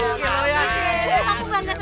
aku belanja sama kamu deh